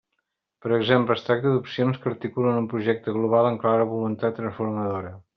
Per exemple, es tracta d'opcions que articulen un projecte global amb clara voluntat transformadora.